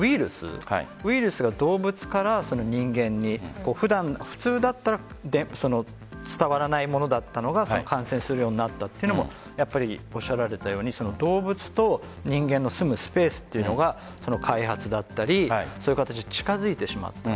ウイルスが動物から人間に普通だったら伝わらないものだったのが感染するようになったというのもおっしゃられたように動物と人間の住むスペースが開発だったりそういう形で近づいてしまった。